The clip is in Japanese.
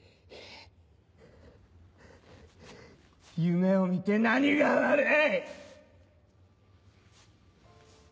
夢を見て何が悪い！